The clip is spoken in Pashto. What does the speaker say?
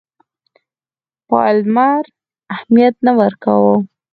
پالمر اهمیت نه ورکاوه.